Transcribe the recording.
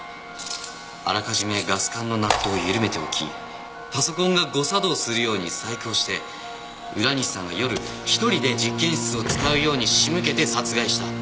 あらかじめガス管のナットを緩めておきパソコンが誤作動するように細工をして浦西さんが夜一人で実験室を使うように仕向けて殺害した。